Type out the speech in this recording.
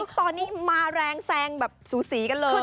ตอนนี้มาแรงแซงแบบสูสีกันเลย